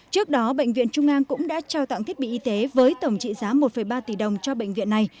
trước đó bệnh viện trung an cũng đã trao tặng thiết bị y tế với tổng trị giá một ba tỷ đồng cho bệnh viện này